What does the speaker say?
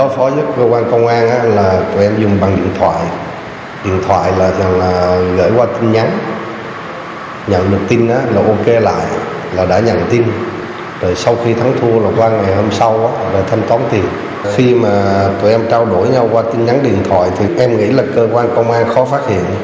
khi mà tụi em trao đổi nhau qua tin nhắn điện thoại thì em nghĩ là cơ quan công an khó phát hiện